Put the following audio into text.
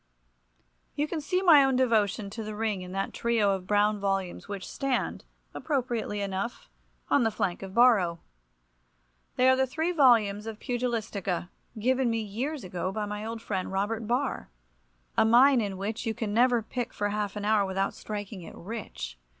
You can see my own devotion to the ring in that trio of brown volumes which stand, appropriately enough, upon the flank of Borrow. They are the three volumes of "Pugilistica," given me years ago by my old friend, Robert Barr, a mine in which you can never pick for half an hour without striking it rich.